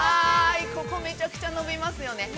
◆ここ、むちゃくちゃ伸びますよね。